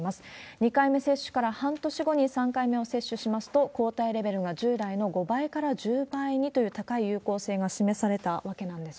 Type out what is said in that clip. ２回目接種から半年後に３回目を接種しますと、抗体レベルが従来の５倍から１０倍にという、高い有効性が示されたわけなんですが。